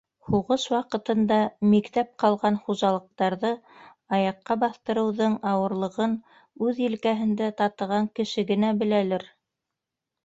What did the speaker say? Һуғыш ваҡытында миктәп ҡалған хужалыҡтарҙы аяҡҡа баҫтырыуҙың ауырлығын үҙ елкәһендә татыған кеше генә беләлер...